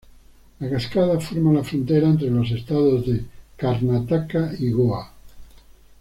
La cascada forma la frontera entre los estados de Karnataka y Goa.